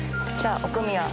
奥宮。